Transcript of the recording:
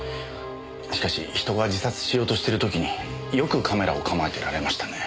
しかし人が自殺しようとしてる時によくカメラを構えてられましたね。